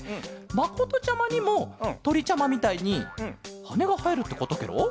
まことちゃまにもとりちゃまみたいにはねがはえるってことケロ？